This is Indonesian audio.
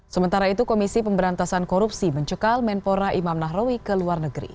sementara itu komisi pemberantasan korupsi mencekal menpora imam nahrawi ke luar negeri